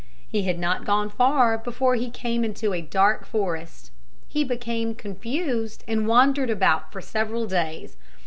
He had not gone far before he came into a dark forest. He became confused and wandered about for several days.